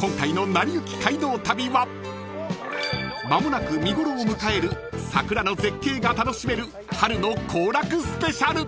［間もなく見頃を迎える桜の絶景が楽しめる春の行楽スペシャル！］